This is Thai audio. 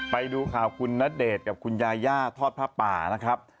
ไปดูข่าวคุณณเดชน์กับคุณยาย่าทอดผ้าป่านะครับ